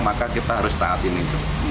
maka kita harus tahanin itu